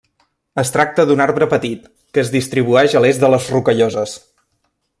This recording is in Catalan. Es tracta d'un arbre petit, que es distribueix a l'est de les Rocalloses.